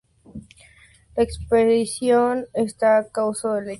La expectación que causó el hecho fue mayúscula.